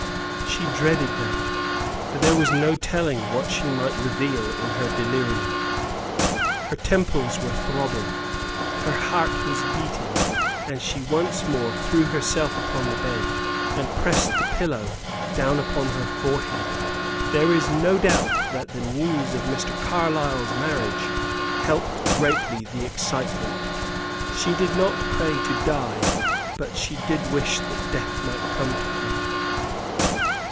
She dreaded that; for there was no telling what she might reveal in her delirium. Her temples were throbbing, her heart was beating, and she once more threw herself upon the bed, and pressed the pillow down upon her forehead. There is no doubt that the news of Mr. Carlyle's marriage helped greatly the excitement. She did not pray to die, but she did wish that death might come to her.